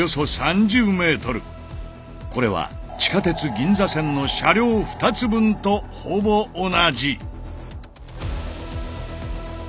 これは地下鉄銀座線の車両２つ分とほぼ同じ。